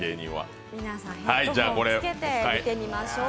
皆さん、ヘッドホンをつけて見ましょう。